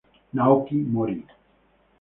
Naoki Mori